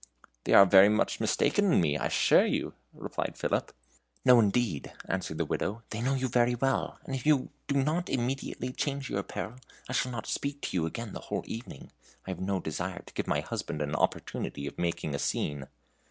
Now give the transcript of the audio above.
"They are very much mistaken in me, I assure you," replied Philip. "No, indeed," answered the Widow, "they know you very well, and if you do not immediately change your apparel, I shall not speak to you again the whole evening. I have no desire to give my husband an opportunity of making a scene."